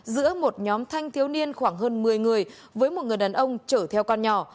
giữa một nhóm thanh thiếu niên khoảng hơn một mươi người với một người đàn ông chở theo con nhỏ